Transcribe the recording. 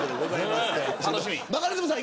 バカリズムさん